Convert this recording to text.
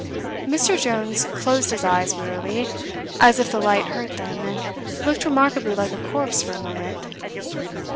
"Ha! Ha! Ha!" Mr Jones closed his eyes wearily, as if the light hurt them, and looked remarkably like a corpse for a moment.